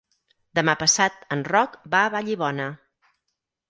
Demà passat en Roc va a Vallibona.